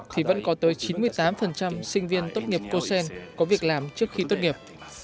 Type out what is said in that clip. thì vẫn có tới chín mươi tám sinh viên tốt nghiệp cosen có việc làm trước khi tốt nghiệp